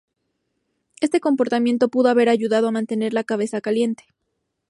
Este comportamiento pudo haber ayudado a mantener la cabeza caliente.